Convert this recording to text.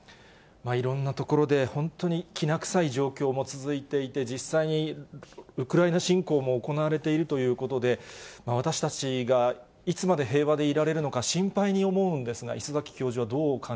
いろんなところで本当にきな臭い状況も続いていて、実際に、ウクライナ侵攻も行われているということで、私たちがいつまで平和でいられるのか心配に思うんですが、礒崎教